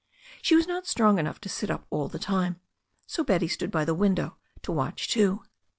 She was not strong enough to sit up all the time. So Betty stood by the window to watch too.